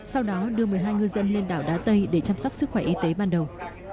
sau đó đưa một mươi hai ngư dân lên đảo đá tây để chăm sóc sức khỏe y tế ban đầu